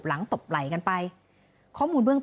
คุยกับตำรวจเนี่ยคุยกับตำรวจเนี่ย